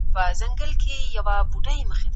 پرمختیايي هیوادونو ته خپله پاملرنه زیاته کړئ.